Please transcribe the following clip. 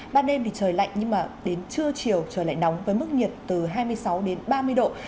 ban đêm thì trời lạnh nhưng mà đến trưa chiều trời lại nóng với mức nhiệt từ hai mươi sáu đến ba mươi độ